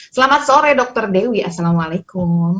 selamat sore dr dewi assalamualaikum